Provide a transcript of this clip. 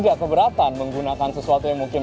agak keberatan menggunakan sesuatu yang mungkin